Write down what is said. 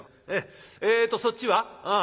えっとそっちは？